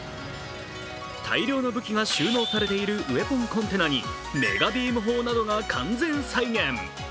大量の武器が収納されているウェポンコンテナにメガビーム砲などが完全再現。